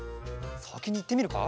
さきにいってみるか？